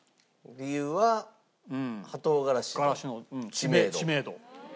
知名度。